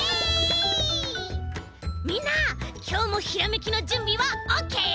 みんなきょうもひらめきのじゅんびはオッケー？